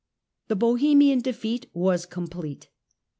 The Bohemian defeat was complete.